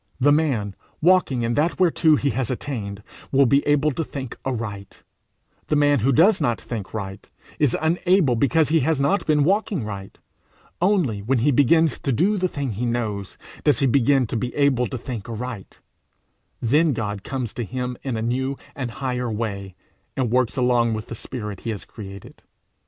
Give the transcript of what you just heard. The man walking in that whereto he has attained, will be able to think aright; the man who does not think right, is unable because he has not been walking right; only when he begins to do the thing he knows, does he begin to be able to think aright; then God comes to him in a new and higher way, and works along with the spirit he has created.